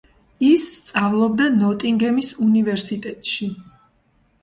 ის სწავლობდა ნოტინგემის უნივერსიტეტში.